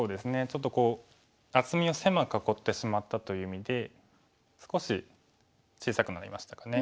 ちょっとこう厚みを狭く囲ってしまったという意味で少し小さくなりましたかね。